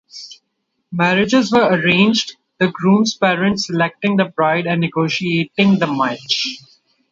Marriages were arranged, the groom's parents selecting the bride and negotiating the match.